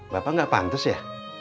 bapak gak pantus ya